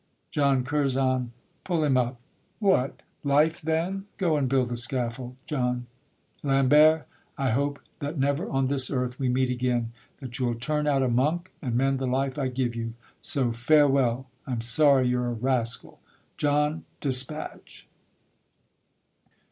John Curzon, pull him up! What, life then? go and build the scaffold, John. Lambert, I hope that never on this earth We meet again; that you'll turn out a monk, And mend the life I give you, so farewell, I'm sorry you're a rascal. John, despatch.